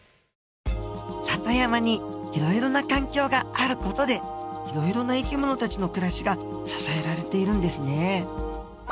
里山にいろいろな環境がある事でいろいろな生き物たちの暮らしが支えられているんですね。